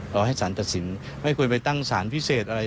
รอให้สารตัดสินไม่ควรไปตั้งสารพิเศษอะไร